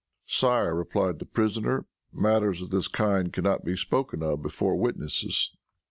"Sire," replied the prisoner, "matters of this kind can not be spoken of before witnesses."